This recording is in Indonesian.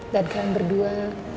dan kalian berdua